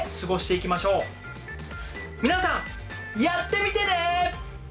皆さんやってみてね！